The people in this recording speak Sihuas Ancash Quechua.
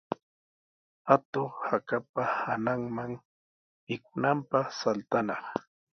Atuq hakapa hananman mikunanpaq saltanaq.